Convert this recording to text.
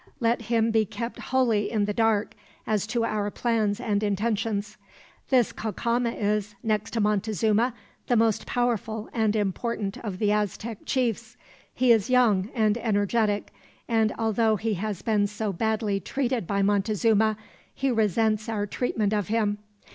Let him be kept wholly in the dark, as to our plans and intentions. This Cacama is, next to Montezuma, the most powerful and important of the Aztec chiefs. He is young and energetic, and although he has been so badly treated by Montezuma, he resents our treatment of him.